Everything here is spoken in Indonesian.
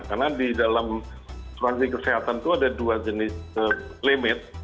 karena di dalam suatu kesehatan itu ada dua jenis limit